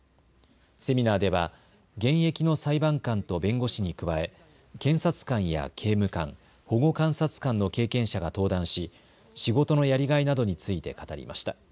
セミナーでは現役の裁判官と弁護士に加え、検察官や刑務官、保護観察官の経験者が登壇し仕事のやりがいなどについて語りました。